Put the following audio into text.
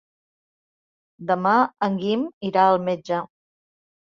Demà en Guim irà al metge.